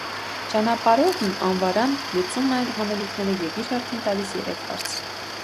Ճանապարհորդն անվարան լուծում է հանելուկները և իր հերթին տալիս երեք հարց։